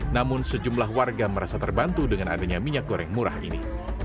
namun sejumlah warga merasa terbantu dengan adanya minyak goreng murah ini